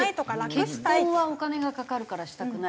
結婚はお金がかかるからしたくない。